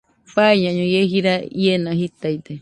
Faiñaño, ie jira iena jitaide